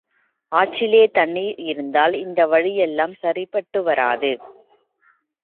ஆற்றிலே தண்ணீர் இருந்தால் இந்த வழி எல்லாம் சரிப்பட்டு வராது.